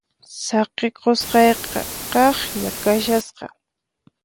Saqikusqayqa kaqlla kashasqa.